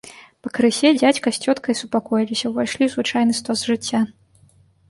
Пакрысе дзядзька з цёткай супакоіліся, увайшлі ў звычайны стос жыцця.